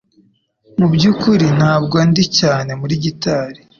Mu byukuri ntabwo ndi cyane muri gitari